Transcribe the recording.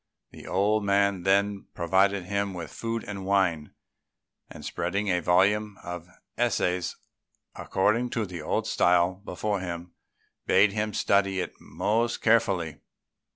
The old man then provided him with food and wine, and spreading a volume of essays according to the old style before him, bade him study it most carefully.